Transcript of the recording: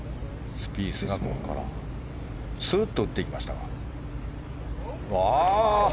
スピースがここからスッと打っていきました。